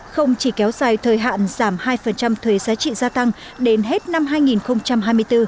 không chỉ kéo dài thời hạn giảm hai thuế giá trị gia tăng đến hết năm hai nghìn hai mươi bốn